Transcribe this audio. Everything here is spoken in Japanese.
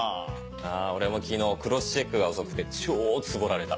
あぁ俺も昨日クロスチェックが遅くて超ツボられた。